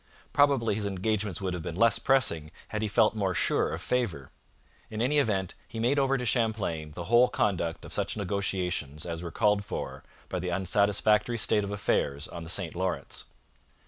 Probably his engagements would have been less pressing had he felt more sure of favour. In any event, he made over to Champlain the whole conduct of such negotiations as were called for by the unsatisfactory state of affairs on the St Lawrence.